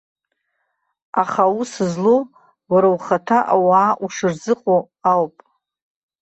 Аха аус злоу, уара ухаҭа ауаа ушырзыҟоу ауп.